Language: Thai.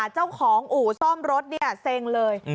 เจ้าของอู่ซ่อมรถเนี่ยเซ็งเลย